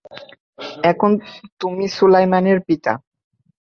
এখন তুমি সুলাইমানের পিতা।